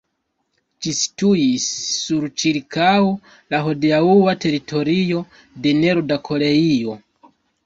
Ĝi situis sur ĉirkaŭ la hodiaŭa teritorio de Norda Koreio.